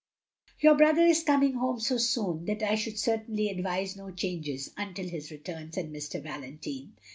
"Your brother is coming home so soon that I shotild certainly advise no changes until his return," said Mr. Valentine.